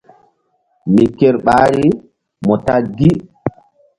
Mi ker ɓahri mu ta gi.